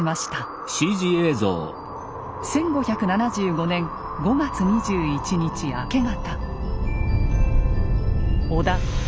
１５７５年５月２１日明け方。